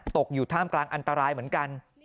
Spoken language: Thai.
ตกอยู่ท่ามกลางอันตรายเหมือนกัน